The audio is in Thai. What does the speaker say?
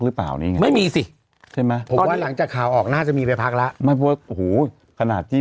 หรือเปล่าไม่มีสิใช่มากร้านจากข่าวออกน่าจะมีไปพักละไปรโธรศตรงนาที่